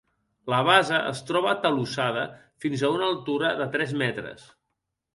La base es troba atalussada fins a una altura de tres metres.